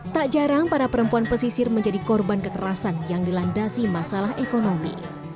tak jarang para perempuan pesisir menjadi korban kekerasan yang dilandasi masalah ekonomi